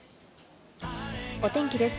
お天気です。